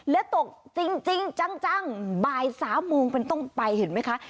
และตกจริงจังบ่าย๓โมงเป็นต้นไปเห็นไหมคะ